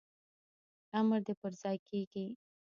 امر دي پرځای کیږي